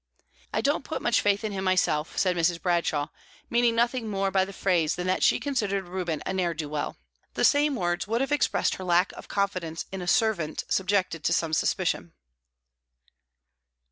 "I don't put much faith in him myself," said Mrs. Bradshaw, meaning nothing more by the phrase than that she considered Reuben a ne'er do well. The same words would have expressed her lack of confidence in a servant subjected to some suspicion.